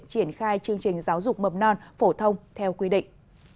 triển khai chương trình giáo dục mầm non phổ thông theo quy định